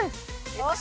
よし！